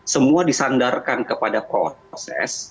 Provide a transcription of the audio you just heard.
semua disandarkan kepada proses